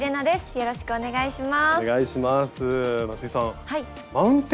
よろしくお願いします。